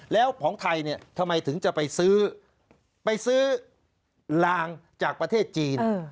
แล้วของไทยทำไมถึงจะไปซื้อลางจากประเทศจีน